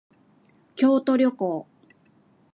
京都旅行